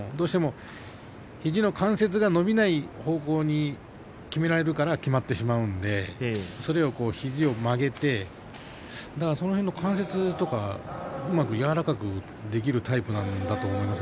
肘の関節が伸びない方向にきめられるからきまってしまうんで肘を曲げてその辺の関節とか柔らかくできるタイプなのかなと思います。